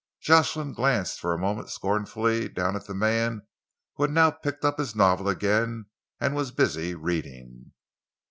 Jocelyn glanced, for a moment scornfully down at the man who had now picked up his novel again and was busy reading.